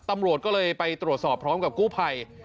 ตำรวจก็เลยไปตรวจสอบพร้อมกับกู้ภัย